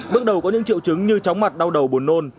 bước đầu có những triệu chứng như chóng mặt đau đầu buồn nôn